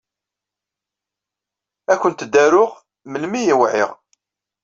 Ad awent-d-aruɣ melmi ay uɛiɣ.